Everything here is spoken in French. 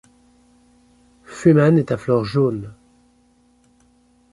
Freeman est à fleur jaune.